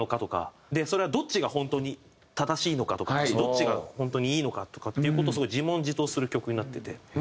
それはどっちが本当に正しいのかとかどっちが本当にいいのかとかっていう事をすごい自問自答する曲になってて。